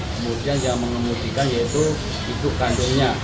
kemudian yang mengemudikan yaitu ibu kandungnya